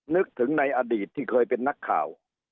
นึกถึงในอดีตที่เคยเป็นนักข่าว